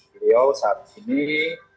beliau saat ini